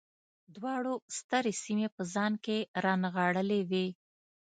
دواړو سترې سیمې په ځان کې رانغاړلې وې.